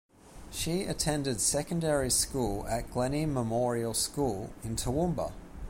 She attended secondary school at Glennie Memorial School in Toowoomba.